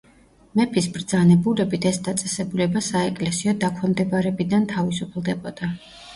მეფის ბრძანებულებით ეს დაწესებულება საეკლესიო დაქვემდებარებიდან თავისუფლდებოდა.